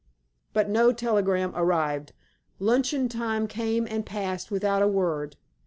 But no telegram arrived. Luncheon time came and passed without a word.